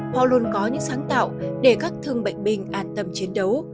họ luôn có những sáng tạo để các thương bệnh binh an tâm chiến đấu